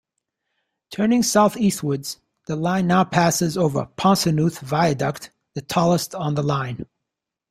Turning south-eastwards, the line now passes over Ponsanooth Viaduct, the tallest on the line.